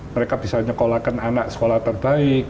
mereka bisa nyekolahkan anak sekolah terbaik